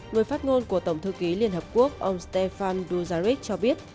người phát ngôn của tổng thư ký liên hợp quốc ông stefan duzaric cho biết